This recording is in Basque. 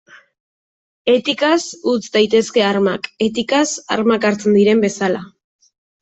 Etikaz utz daitezke armak, etikaz armak hartzen diren bezala.